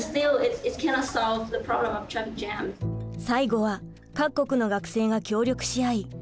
最後は各国の学生が協力し合い